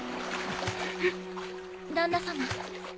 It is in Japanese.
旦那様？